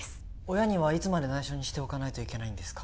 親にはいつまで内緒にしておかないといけないんですか？